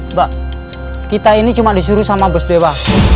mbak kita ini cuma disuruh sama bus dewa